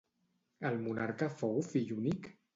El monarca fou fill únic?